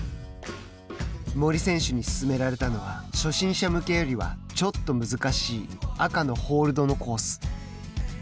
森選手に勧められたのは初心者向けよりはちょっと難しい赤のホールドのコース。